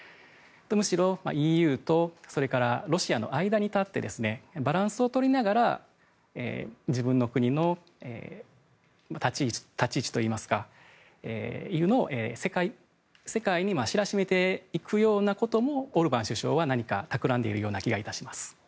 むしろＥＵとそれからロシアの間に立ってバランスを取りながら自分の国の立ち位置というものを世界に知らしめていくようなこともオルバン首相は何かたくらんでいるような気がいたします。